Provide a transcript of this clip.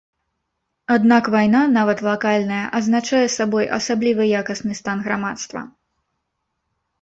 Аднак вайна, нават лакальная, азначае сабой асаблівы якасны стан грамадства.